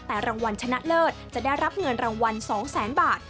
แต่รางวัลชนะเลิศจะได้รับเงินรางวัล๒แสนบาท